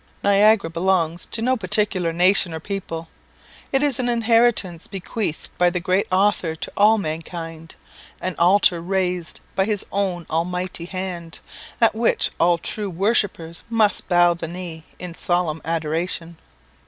Niagara belongs to no particular nation or people. It is an inheritance bequeathed by the great Author to all mankind, an altar raised by his own almighty hand, at which all true worshippers must bow the knee in solemn adoration.